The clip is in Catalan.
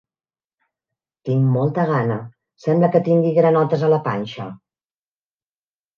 Tinc molta gana, sembla que tingui granotes a la panxa.